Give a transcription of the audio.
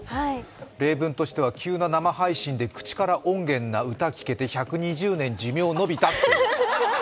例文としては、急な生配信で口から音源な歌聞けて１２０年寿命延びた。